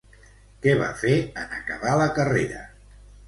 Què va fer en acabar la carrera?